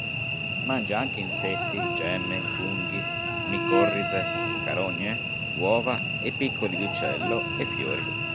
Mangia anche insetti, gemme, funghi, micorrize, carogne, uova e piccoli di uccello, e fiori.